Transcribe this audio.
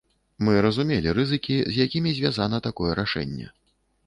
Мы разумелі рызыкі, з якімі звязана такое рашэнне.